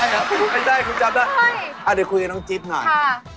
ไม่ใช่ครับไม่ใช่คุณจับนะอ่ะเดี๋ยวคุยกับน้องจิ๊บหน่อยค่ะ